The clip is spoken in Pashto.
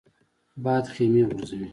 باد خیمې غورځوي